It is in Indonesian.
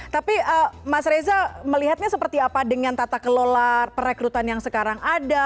tapi mas reza melihatnya seperti apa dengan tata kelola perekrutan yang sekarang ada